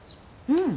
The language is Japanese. うん。